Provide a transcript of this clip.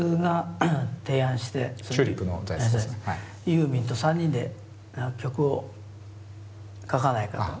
ユーミンと３人で曲を書かないかと。